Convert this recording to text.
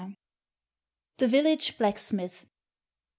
THE VILLAGE BLACKSMITH.